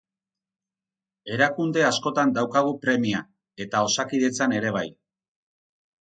Erakunde askotan daukagu premia eta Osakidetzan ere bai.